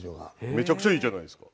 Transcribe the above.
めちゃくちゃいいじゃないですか。